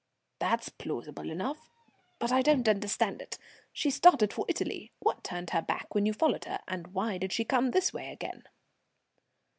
"That's plausible enough, but I don't understand it. She started for Italy; what turned her back when you followed her, and why did she come this way again?"